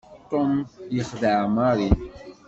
Tom yexdeɛ Mary.